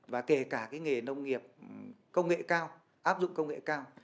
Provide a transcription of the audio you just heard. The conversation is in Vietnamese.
và kể cả cái nghề nông nghiệp công nghệ cao áp dụng công nghệ cao